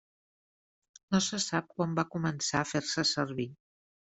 No se sap quan va començar a fer-se servir.